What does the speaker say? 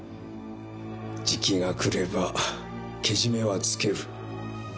時期がくればけじめはつける。